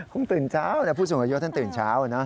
คุณตื่นเช้าผู้สูงระยะท่านตื่นเช้านะ